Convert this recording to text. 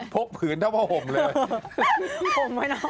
พกผืนถ้าพาผมเลย